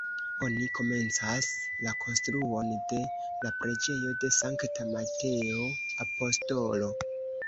Oni komencas la konstruon de la preĝejo de Sankta Mateo Apostolo.